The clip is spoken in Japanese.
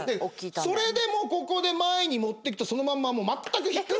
それでもここで前に持ってくとそのまんままったく引っ掛かりません。